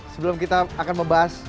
sebelum kita akan membahas